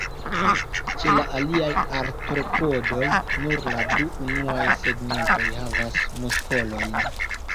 Ĉe la aliaj Artropodoj, nur la du unuaj segmentoj havas muskolojn.